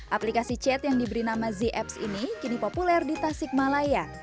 aplikasi chat yang diberi nama z apps ini kini populer di tasik malaya